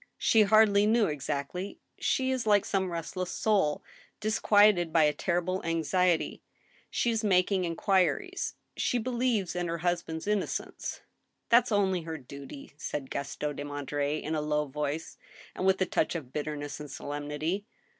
" She hardly knew exactly, ... she is like some restless soul, disquieted by a terrible anxiety, ... she is making inquiries. She believes in her husband's innocence." " That's only her duty, ..." said Gaston de Monterey, in a low voice, and with a touch of bitterness and solemnity.